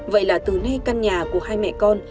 vậy là từ nay căn nhà của hai mẹ con